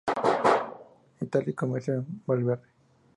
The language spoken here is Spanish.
Italia y Comercio con Belvedere.